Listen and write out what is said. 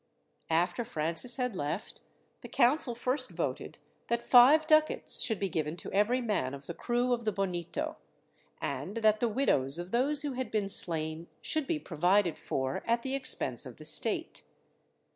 After Francis had left, the council first voted that five ducats should be given to every man of the crew of the Bonito, and that the widows of those who had been slain should be provided for, at the expense of the state.